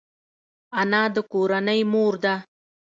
انا د کورنۍ مور ده